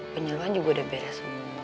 penyeluan juga udah beres semua